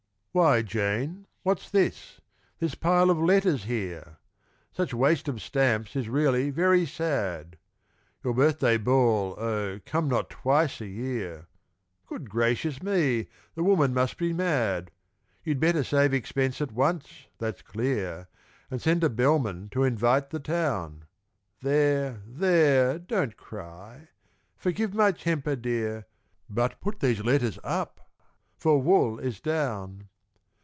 Why, Jane, what's this this pile of letters here? Such waste of stamps is really very sad. Your birthday ball! Oh, come! not twice a year, Good gracious me! the woman must be mad. You'd better save expense at once, that's clear, And send a bellman to invite the town! There there don't cry; forgive my temper, dear, But put these letters up for wool is down.